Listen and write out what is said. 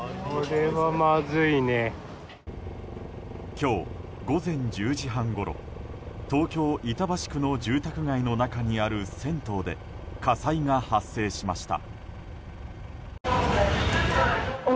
今日午前１０時半ごろ東京・板橋区の住宅街の中にある銭湯で火災が発生しました。